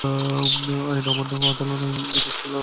আইন অমান্য আন্দোলন কোনো ইপ্সিত লক্ষ্য অর্জন ছাড়াই শেষ হয়।